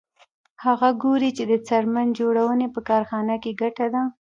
هغه ګوري چې د څرمن جوړونې په کارخانه کې ګټه ده